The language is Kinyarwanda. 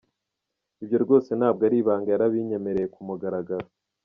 Ibyo rwose ntabwo ari ibanga yarabinyemereye ku mugaragaro.